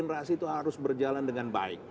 proses regenerasi itu harus berjalan dengan baik